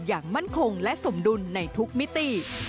อย่างมั่นคงและสมดุลในทุกมิติ